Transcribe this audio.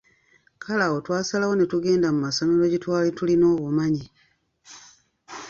Kale awo twasalawo tugende mu masomero gye twali tulina obumanye.